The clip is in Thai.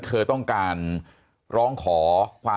มีความรู้สึกว่า